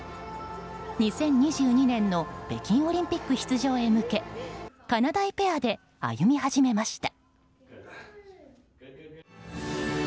２０２２年の北京オリンピック出場へ向けかなだいペアで歩み始めました。